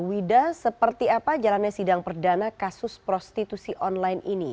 wida seperti apa jalannya sidang perdana kasus prostitusi online ini